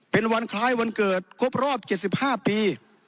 เป็นวันคลายวันเกิดครบรอบเกี่ยวสิบห้าปี